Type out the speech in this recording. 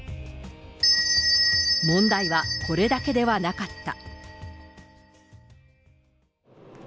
問題は、これだけではなかった。